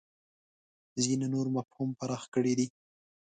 ځینې نور مفهوم پراخ کړی دی.